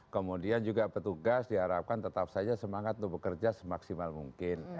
kemudian juga petugas diharapkan tetap saja semangat untuk bekerja semaksimal mungkin